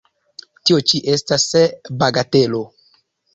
Tio ĉi estas bagatelo!